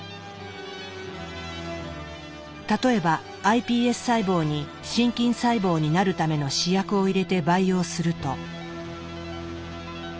例えばｉＰＳ細胞に心筋細胞になるための試薬を入れて培養すると。